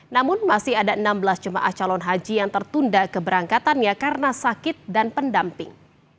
namun masih ada enam belas jemaah calon haji yang tertunda keberangkatannya karena sakit dan pendamping